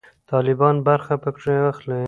طالبان برخه پکښې واخلي.